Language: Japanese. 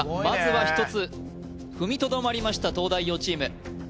まずは１つ踏みとどまりました東大王チーム